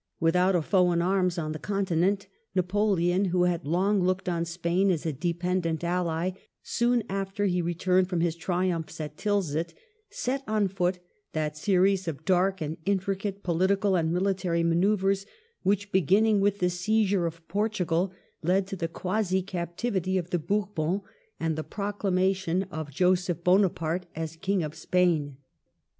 Without a foe in arms on the continent, Napoleon, who had long looked on Spain as a dependent ally, soon after he returned from his triumphs at Tilsit set on foot that series of dark and intricate political and military manoeuvres which, be ginning with the seizure of Portugal, led to the quasi captivity of the Bourbons and the proclamation of Joseph Bonaparte as King of Spain.